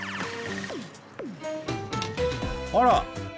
あら！